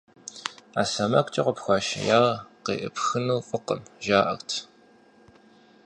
Ӏэ сэмэгукӀэ къыпхуашияр къеӀыпхыну фӀыкъым, жаӀэрт.